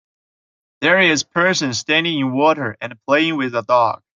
There is person standing in water and playing with a dog.